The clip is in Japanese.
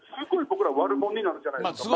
僕ら悪者になるじゃないですか。